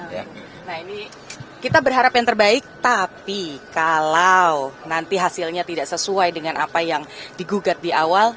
nah ini kita berharap yang terbaik tapi kalau nanti hasilnya tidak sesuai dengan apa yang digugat di awal